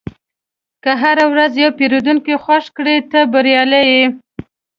که هره ورځ یو پیرودونکی خوښ کړې، ته بریالی یې.